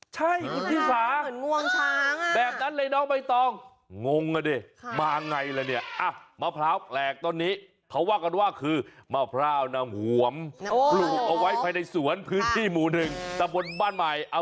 จะพาไปดูมะพร้าวแปลกครับ